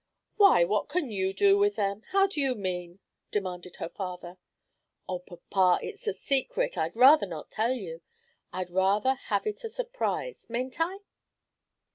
"Why, what can you do with them? How do you mean?" demanded her father. "Oh, papa, it's a secret, I'd rather not tell you. I'd rather have it a surprise, mayn't I?"